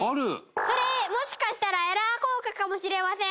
それ、もしかしたらエラー硬貨かもしれません！